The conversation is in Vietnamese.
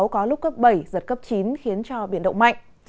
có lúc cấp bảy giật cấp chín khiến cho biển động mạnh